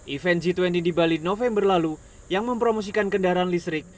event g dua puluh di bali november lalu yang mempromosikan kendaraan listrik